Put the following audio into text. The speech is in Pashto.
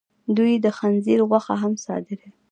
دوی د خنزیر غوښه هم صادروي.